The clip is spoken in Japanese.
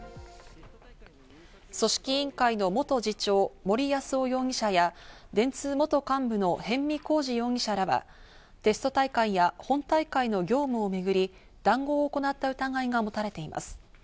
組織委員会の元次長・森泰夫容疑者や、電通元幹部の逸見晃治容疑者らは、テスト大会や本大会の業務をめぐり談合を行った疑いが持たれています。